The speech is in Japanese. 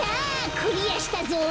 クリアしたぞ！